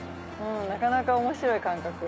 なかなか面白い感覚